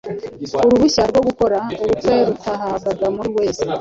uruhushya rwo gukora ubukwe rutahabwaga buri wese.